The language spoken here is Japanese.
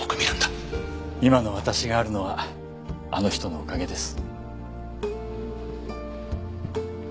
今の私があるのはあの人のおかげです。